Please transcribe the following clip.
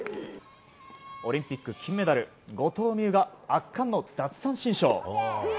オリンピック金メダル後藤希友が圧巻の奪三振ショー。